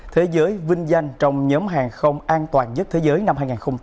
thế giới vinh danh trong nhóm hàng không an toàn nhất thế giới năm hai nghìn hai mươi bốn